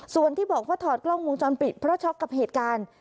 ส่วนที่บอกว่าถอดกล้องวงจรปิดเพราะช็อกกับเหตุการณ์